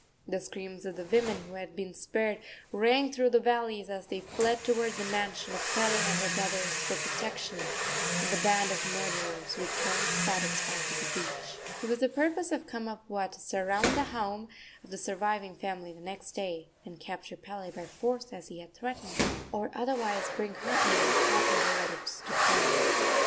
The screams of the women, who had been spared, rang through the valleys as they fled toward the mansion of Pele and her brothers for protection, and the band of murderers returned satisfied to the beach. It was the purpose of Kamapuaa to surround the home of the surviving family the next day, and capture Pele by force, as he had threatened, or otherwise bring her and her haughty relatives to terms.